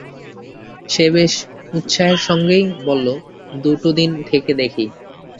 সে বেশ উৎসাহের সঙ্গেই বলল, দুটো দিন থেকে দেখি।